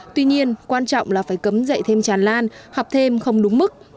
tuy nhiên quan trọng là phải cấm dạy thêm tràn lan học thêm không đúng mức